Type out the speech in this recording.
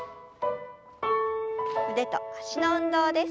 腕と脚の運動です。